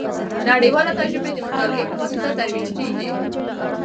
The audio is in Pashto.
نړیوالې تجربې د مطالعې په واسطه ترویج کیږي.